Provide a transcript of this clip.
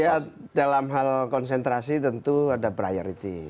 ya dalam hal konsentrasi tentu ada priority